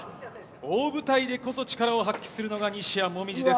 大舞台でこそ力を発揮するのが西矢椛です。